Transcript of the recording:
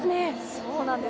そうなんです。